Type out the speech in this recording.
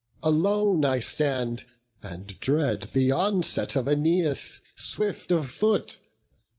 alone I stand, and dread The onset of Æneas, swift of foot.